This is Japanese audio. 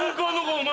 お前。